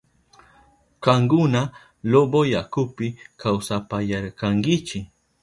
Kankuna Loboyakupi kawsapayarkankichi.